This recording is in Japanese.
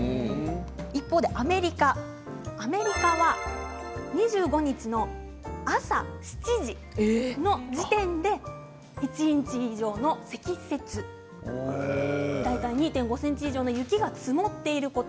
一方でアメリカ２５日の朝７時この時点で１インチ以上の積雪大体２．５ｃｍ以上の雪が積もっていること。